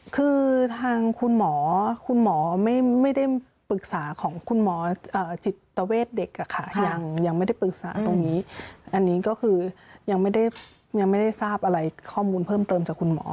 คือทางคุณหมอคุณหมอไม่ได้ปรึกษาของคุณหมอจิตเวทเด็กค่ะยังไม่ได้ปรึกษาตรงนี้อันนี้ก็คือยังไม่ได้ยังไม่ได้ทราบอะไรข้อมูลเพิ่มเติมจากคุณหมอ